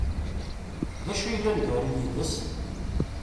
D acu yellan gar-i yid-s?